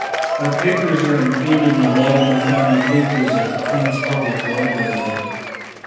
Her papers are included in the Latimer Family Papers at the Queens Public Library.